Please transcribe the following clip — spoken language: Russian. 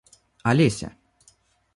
Олеся